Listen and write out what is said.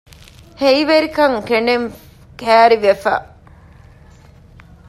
ހެއިވެރިކަން ކެނޑެން ކަިއރިވެފަ